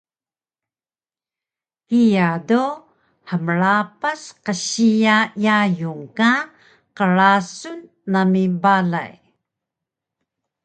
Kiya do hmrapas qsiya yayung ka qrasun nami balay